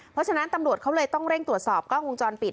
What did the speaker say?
เพราะฉะนั้นตำรวจเขาเลยต้องเร่งตรวจสอบกล้องวงจรปิด